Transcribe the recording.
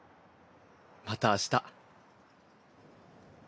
また明日。